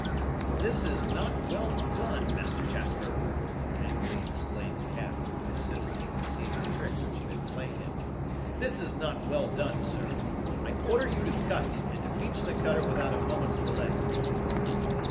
"This is not well done, Master Jasper!" angrily exclaimed Cap, as soon as he perceived the trick which had been played him; "this is not well done, sir. I order you to cut, and to beach the cutter without a moment's delay."